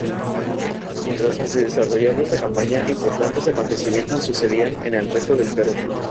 Mientras que se desarrollaba esta campaña, importantes acontecimientos sucedían en el resto del Perú.